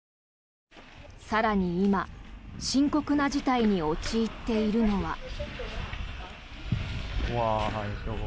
更に今深刻な事態に陥っているのは。